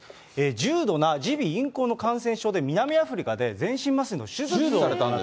重度な耳鼻咽喉の感染症で、南アフリカで全身麻酔の手術をされたと。